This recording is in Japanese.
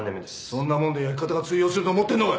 そんなもんで焼き方が通用すると思ってんのか。